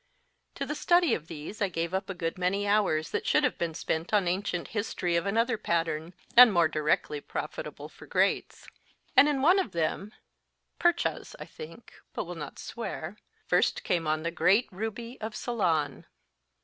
To the study of these I gave up a good many hours that should have been spent on ancient history of another pattern, and more directly profitable for Greats ; and in one of them Purchas, I think, but will not swear first came on the Great Ruby of Ceylon.